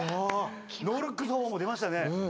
ノールック奏法も出ましたね。